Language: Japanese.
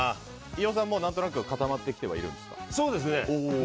飯尾さん、もう何となく固まってきてはいるんですか。